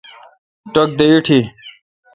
ٹک دے ایٹھی۔